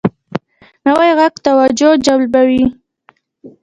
نوی غږ توجه جلبوي